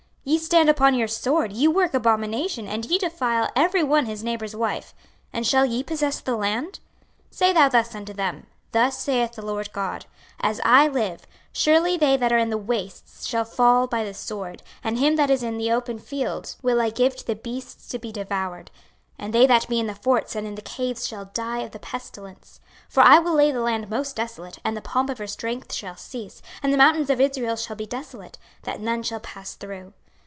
26:033:026 Ye stand upon your sword, ye work abomination, and ye defile every one his neighbour's wife: and shall ye possess the land? 26:033:027 Say thou thus unto them, Thus saith the Lord GOD; As I live, surely they that are in the wastes shall fall by the sword, and him that is in the open field will I give to the beasts to be devoured, and they that be in the forts and in the caves shall die of the pestilence. 26:033:028 For I will lay the land most desolate, and the pomp of her strength shall cease; and the mountains of Israel shall be desolate, that none shall pass through.